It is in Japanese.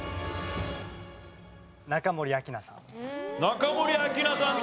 中森明菜さん